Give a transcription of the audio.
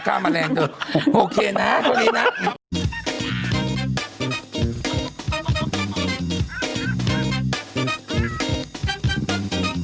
กล้ามะเร็งเถอะโอเคนะพอดีนะ